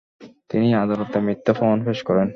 তিনি আদালতে মিথ্যা প্রমাণ পেশ করেন।